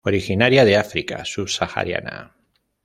Originaria de África subsahariana.